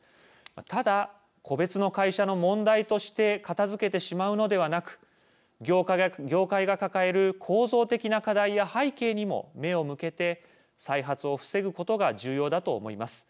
ただ、個別の会社の問題として片づけてしまうのではなく業界が抱える構造的な課題や背景にも目を向けて再発を防ぐことが重要だと思います。